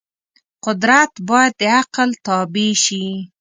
قدرت باید د عقل تابع شي.